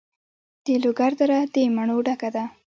د لوګر دره د مڼو ډکه ده.